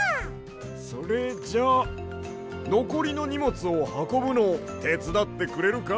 それじゃあのこりのにもつをはこぶのをてつだってくれるか？